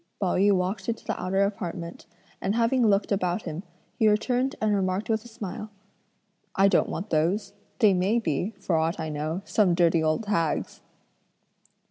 Pao yü walked into the outer apartment, and having looked about him, he returned and remarked with a smile: "I don't want those, they may be, for aught I know, some dirty old hag's."